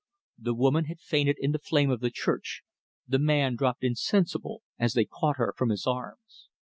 The woman had fainted in the flame of the church; the man dropped insensible as they caught her from his arms.